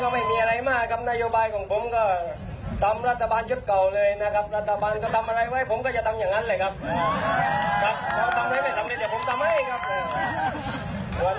ผมก็ไม่มีอะไรมาก